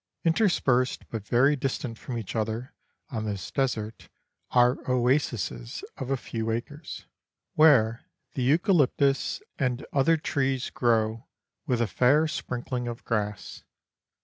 Interspersed but very distant from each other, on this desert, are oases of a few acres, where the eucalyptus and other Letters from Victorian Pioneers. 113 trees grow, with a fair sprinkling of grass.